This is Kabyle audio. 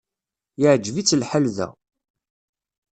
Yeɛjeb-itt lḥal da.